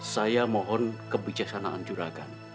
saya mohon kebijaksanaan juragan